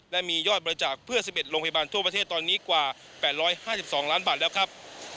และมียอดบริจาคเพื่อ๑๑โรงพยาบาลทั่วประเทศตอนนี้กว่า๘๕๒ล้านบาทแล้วครับ